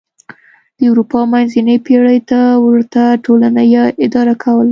د اروپا منځنۍ پېړۍ ته ورته ټولنه یې اداره کوله.